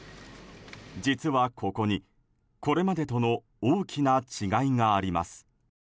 実はここに、これまでとの大きな違いがあります。